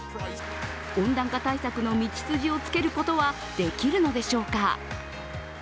温暖化対策の道筋をつけることはできるのでしょうか？